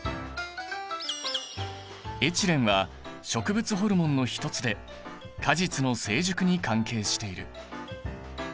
エチレンは植物ホルモンの一つで果実の成熟に関係している。